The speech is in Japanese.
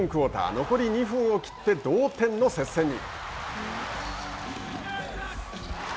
残り２分を切って同点の接戦に。